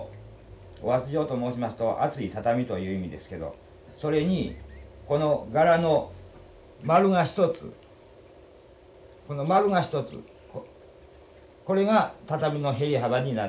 お厚畳と申しますと厚い畳という意味ですけどそれにこの柄の丸が一つこの丸が一つこれが畳の縁幅になってつけてございます。